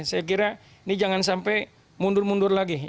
saya kira ini jangan sampai mundur mundur lagi